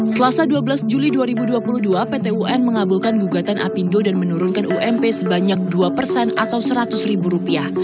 selasa dua belas juli dua ribu dua puluh dua pt un mengabulkan gugatan apindo dan menurunkan ump sebanyak dua persen atau seratus ribu rupiah